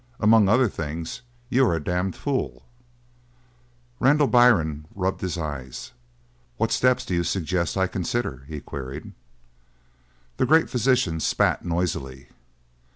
"Among other things you are a damned fool." Randall Byrne here rubbed his eyes. "What steps do you suggest that I consider?" he queried. The great physician spat noisily.